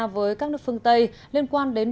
với các nước phương tây liên quan đến